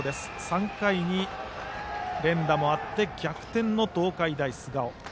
３対２で連打もあって逆転の東海大菅生。